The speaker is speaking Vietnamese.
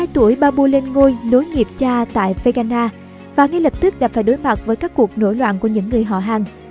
một mươi hai tuổi babur lên ngôi nối nghiệp cha tại phegana và ngay lập tức đã phải đối mặt với các cuộc nổi loạn của những người họ hàng